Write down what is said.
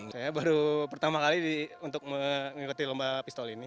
saya baru pertama kali untuk mengikuti lomba pistol ini